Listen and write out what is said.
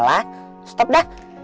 hah ela stop dah